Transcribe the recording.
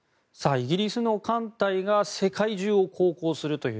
イギリスの艦隊が世界中を航行するという。